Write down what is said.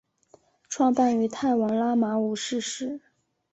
创办于泰王拉玛五世时。